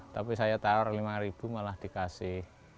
tapi saya taruh lima ribu malah dikasih